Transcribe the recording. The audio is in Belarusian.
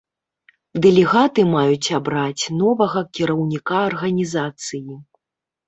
Дэлегаты маюць абраць новага кіраўніка арганізацыі.